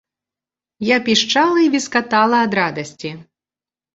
Я пішчала і віскатала ад радасці!